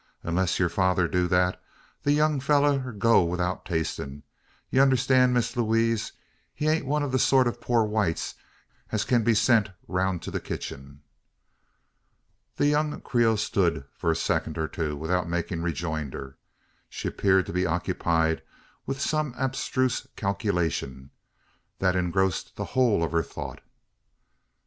Unless yur father do that, the young fellur 'll go 'ithout tastin'. You unnerstan, Miss Lewaze, he ain't one o' thet sort o' poor whites as kin be sent roun' to the kitchen." The young Creole stood for a second or two, without making rejoinder. She appeared to be occupied with some abstruse calculation, that engrossed the whole of her thoughts.